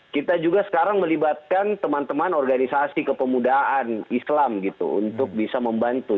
kita juga sekarang melibatkan teman teman organisasi kepemudaan islam gitu untuk bisa membantu